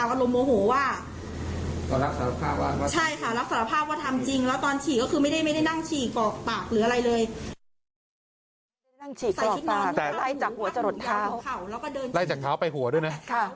นั่งฉี่กออกปากแต่ลั่ยจากหัวจะหลดทาง